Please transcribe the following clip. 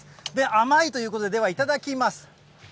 甘いということで、ではいただきます。